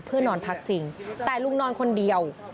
เพื่อนอนพักจริงแต่ลุงนอนคนเดียว